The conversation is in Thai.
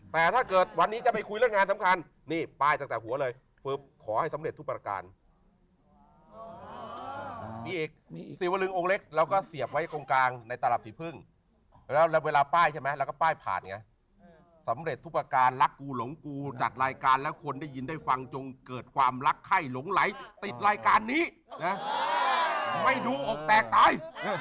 พี่เอกสิวรึงองค์เล็กเราก็เสียบไว้โงงการในตาหลับสิบพึ่งแล้วแล้วเวลาป้ายใช่ไหมแล้วก็ป้ายผ่านอย่างเงี้ยสำเร็จทุกประการรักกูหลงกูจัดรายการแล้วคนได้ยินได้ฟังจงเกิดความรักไข้หลงไหลติดรายการนี้ไม่ดูอกแตกตาย